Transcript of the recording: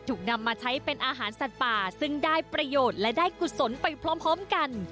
นำมาใช้เป็นอาหารสัตว์ป่าซึ่งได้ประโยชน์และได้กุศลไปพร้อมกัน